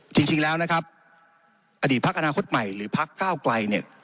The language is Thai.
จริงแล้วนะครับอดีตพักอนาคตใหม่หรือพักก้าวไกลเนี่ย